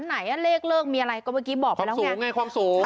ไหนเลขเลิกมีอะไรก็เมื่อกี้บอกไปแล้วสูงไงความสูง